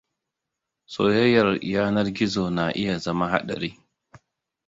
Soyayyar yanar gizo na iya zama haɗari.